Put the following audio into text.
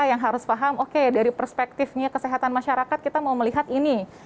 yang harus paham oke dari perspektifnya kesehatan masyarakat kita mau melihat ini